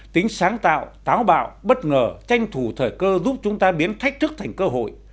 tính sáng tạo táo bạo bất ngờ tranh thủ thời cơ giúp chúng ta biến thách thức thành cơ hội